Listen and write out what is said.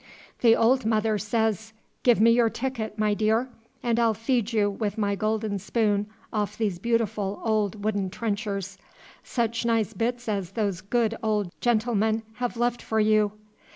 The Old Mother says, "Give me your ticket, my dear, and I'll feed you with my gold spoon off these beautiful old wooden trenchers. Such nice bits as those good old gentlemen have left for you!"